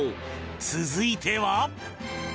続いては